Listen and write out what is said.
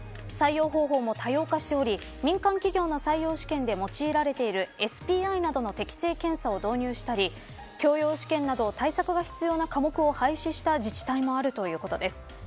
採用方法も多様化しており民間企業の採用試験で用いられているＳＰＩなどの適性検査を導入したり教養試験など、対策が必要な科目を廃止した自治体もあるということです。